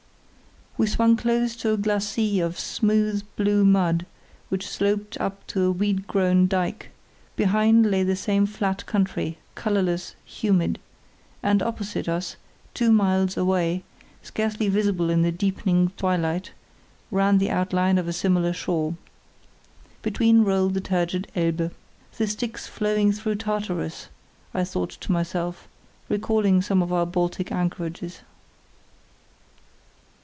We swung close to a glacis of smooth blue mud which sloped up to a weed grown dyke; behind lay the same flat country, colourless, humid; and opposite us, two miles away, scarcely visible in the deepening twilight, ran the outline of a similar shore. Between rolled the turgid Elbe. "The Styx flowing through Tartarus," I thought to myself, recalling some of our Baltic anchorages.